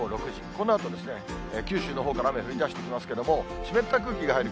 このあと九州のほうから雨降りだしてきますけれども、湿った空気が入る